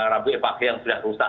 rabu epagi yang sudah rusak